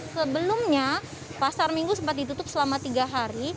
sebelumnya pasar minggu sempat ditutup selama tiga hari